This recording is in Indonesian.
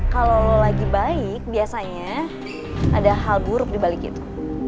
kalau lagi baik biasanya ada hal buruk dibalik itu